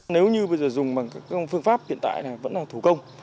nếu như bây giờ dùng bằng các phương pháp hiện tại này vẫn là thủ công